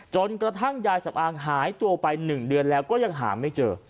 จนกระทั่งยายสำอางหายตัวไป๑เดือนแล้วก็ยังหาไม่เจอ